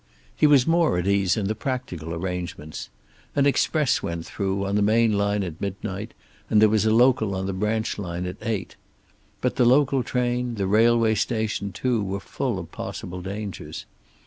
He was more at ease in the practical arrangements. An express went through on the main line at midnight, and there was a local on the branch line at eight. But the local train, the railway station, too, were full of possible dangers.